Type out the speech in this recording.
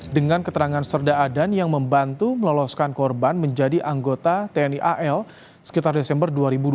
dengan keterangan serda adan yang membantu meloloskan korban menjadi anggota tni al sekitar desember dua ribu dua puluh